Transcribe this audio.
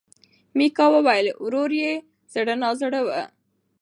میکا وویل ورور یې زړه نا زړه و.